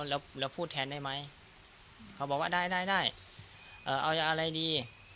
แล้วแล้วพูดแทนได้ไหมเขาบอกว่าได้ได้ได้เอ่อเอาอะไรดี